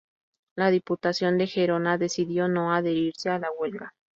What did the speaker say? La Diputación de Gerona decidió no adherirse a la huelga.